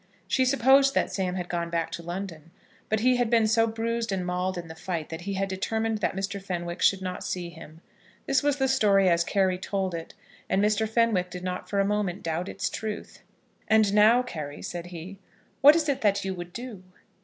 She supposed that Sam had gone back to London; but he had been so bruised and mauled in the fight that he had determined that Mr. Fenwick should not see him. This was the story as Carry told it; and Mr. Fenwick did not for a moment doubt its truth. "And now, Carry," said he, "what is it that you would do?"